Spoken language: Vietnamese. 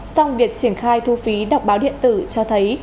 song việc triển khai thu phí đọc báo điện tử cho thấy